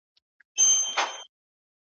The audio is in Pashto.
یو څه ستا فضل یو څه به دوی وي